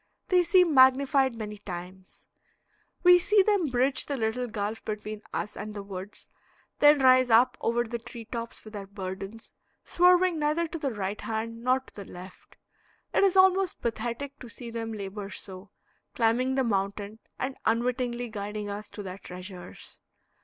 They seem magnified many times. We see them bridge the little gulf between us and the woods, then rise up over the tree tops with their burdens, swerving neither to the right hand nor to the left. It is almost pathetic to see them labor so, climbing the mountain and unwittingly guiding us to their treasures.